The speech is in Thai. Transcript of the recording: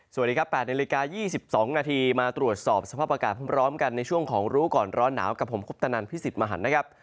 สวัสดีครับ๘นาฬิกา๒๒นาทีมาตรวจสอบสภาพอากาศพร้อมกันในช่วงของรู้ก่อนร้อนหนาวกับผมคุปตนันพิสิทธิ์มหันนะครับ